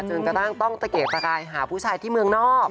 จึงตั้งต้องตะเกกตะกายหาผู้ชายที่เมืองนอก